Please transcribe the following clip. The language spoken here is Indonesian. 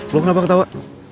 lo kenapa ketawa